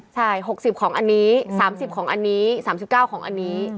ใช่๖๐ของอันนี้๓๐ของอันนี้๓๙ของอันนี้